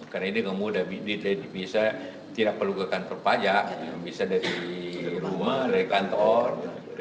karena ini mudah ini bisa tidak perlu ke kantor pajak bisa dari rumah dari kantor